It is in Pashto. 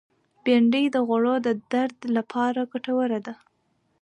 بېنډۍ د غړو د درد لپاره ګټوره ده